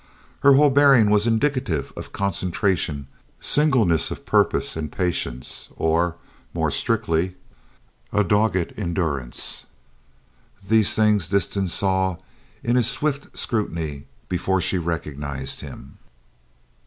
Her whole bearing was indicative of concentration, singleness of purpose and patience or, more strictly, a dogged endurance. These things Disston saw in his swift scrutiny before she recognized him.